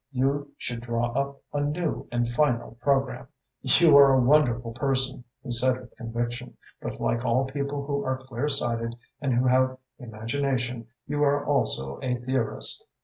You should draw up a new and final programme." "You are a wonderful person," he said with conviction, "but like all people who are clear sighted and who have imagination, you are also a theorist.